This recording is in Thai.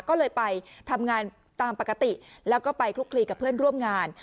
ก็เลยไปทำงานตามปกติแล้วก็ไปคลุกคลีกับเพื่อนร่วมงาน